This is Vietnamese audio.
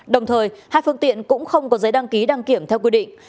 đồng thời hai phương tiện cũng không có giấy đăng ký đăng kiểm theo quy định